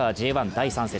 第３節。